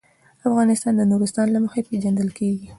افغانستان د نورستان له مخې پېژندل کېږي.